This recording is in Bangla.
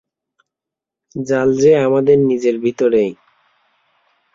জাল যে আমাদের নিজের ভিতরেই।